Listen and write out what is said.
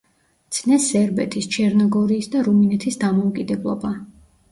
ცნეს სერბეთის, ჩერნოგორიის და რუმინეთის დამოუკიდებლობა.